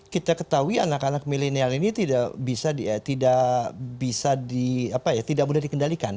kita ketahui anak anak milenial ini tidak bisa di apa ya tidak mudah dikendalikan